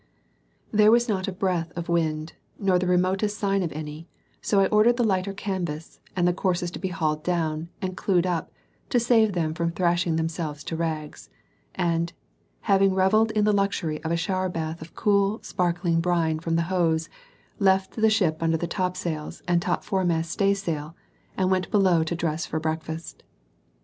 There was not a breath of wind, nor the remotest sign of any; so I ordered the lighter canvas and the courses to be hauled down and clewed up, to save them from thrashing themselves to rags; and, having revelled in the luxury of a shower bath of cool, sparkling brine from the hose, left the ship under the topsails and fore topmast staysail, and went below to dress for breakfast.